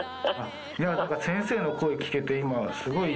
なんか先生の声聞けて、今、すごい。